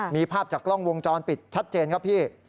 มีภาพจากกล้องวงจรปิดชัดเจนครับพี่